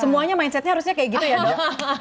semuanya mindsetnya harusnya kayak gitu ya dok